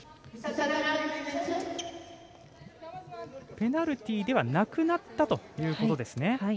ペナルティーではなくなったということです。